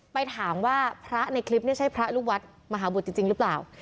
ไปถามว่าพระในคลิปนี่ใช่พระลูกวัดมหาบุตรจริงหรือเปล่า